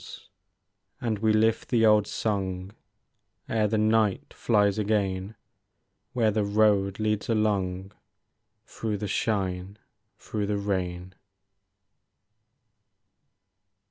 TWIUGHT SONG 171 And we lift the old song Ere the night flies again. Where the road leads along Through the shine, through the rain.